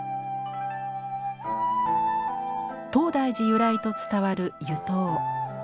東大寺由来と伝わる湯桶。